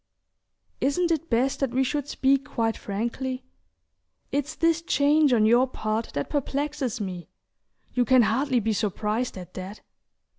"Isn't it best that we should speak quite frankly? It's this change on your part that perplexes me. You can hardly be surprised at that.